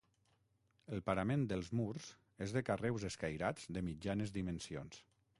El parament dels murs és de carreus escairats de mitjanes dimensions.